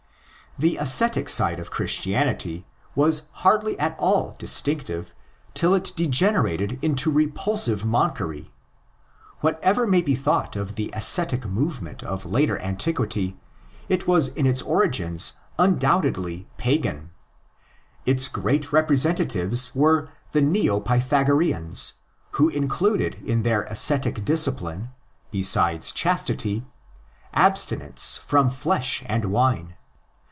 The ascetic side of Christianity was hardly at all distinctive till it degenerated into repulsive monkery. Whatever may be thought of the ascetic movement of later antiquity, if was in its origins undoubtedly '' pagan." Its great representatives were the Neo Pythagoreans, who included in their ascetic discipline, besides chastity, abstinence from flesh and wine.